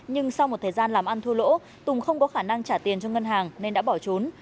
nhưng sau một thời gian làm ăn thua lỗ tùng không có khả năng trả tiền cho ngân hàng nên đã bỏ trốn